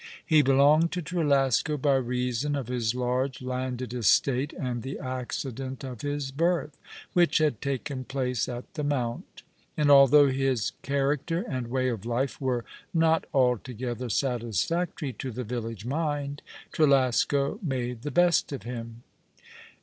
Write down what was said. He belonged to Trelasco by reason of his large landed estate and the accident of his birth, which had taken place at the Mount; and, although his character and way of life were not altogether satisfactory to the village mind, Trelasco made the best of him.